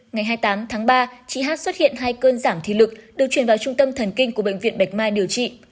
ngày hai mươi tám tháng ba chị hát xuất hiện hai cơn giảm thị lực được truyền vào trung tâm thần kinh của bệnh viện bạch mai điều trị